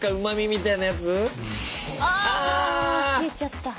あ消えちゃった。